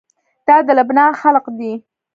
دا د لبنان خلق دي.